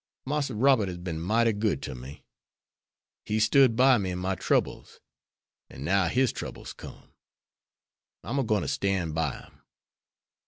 Marster Robert has been mighty good to me. He stood by me in my troubles, an' now his trouble's come, I'm a gwine to stan' by him.